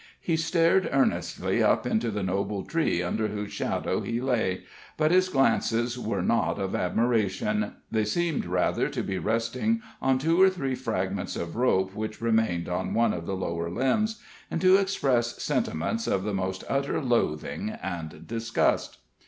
He stared earnestly up into the noble tree under whose shadow he lay; but his glances were not of admiration they seemed, rather, to be resting on two or three fragments of rope which remained on one of the lower limbs, and to express sentiments of the most utter loathing and disgust.